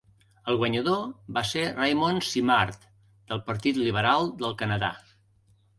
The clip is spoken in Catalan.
El guanyador va ser Raymond Simard, del Partit Liberal del Canadà.